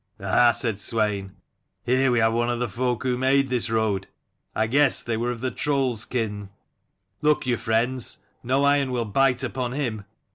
"Ah !" said Swein, "here we have one of the folk who made this road. I guessed they were of the troll's kin. Look you, friends, no iron will bite upon him."